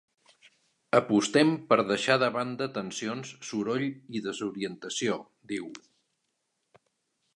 Apostem per deixar de banda tensions, soroll i desorientació, diu.